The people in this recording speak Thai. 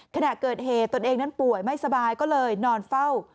ขณะเกิดเหตุตนเองนั้นป่วยไม่สบายก็เลยนอนเฝ้า